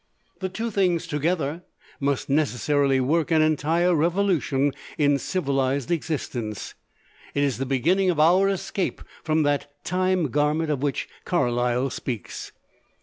The two things together must necessarily work an entire revolution in civilised existence. It is the beginning of our escape from that Time Garment of which Carlyle speaks.